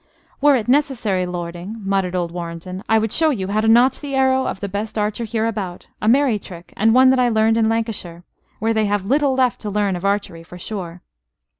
"Were it necessary, lording," muttered old Warrenton, "I would show you how to notch the arrow of the best archer here about a merry trick, and one that I learned in Lancashire, where they have little left to learn of archery, for sure."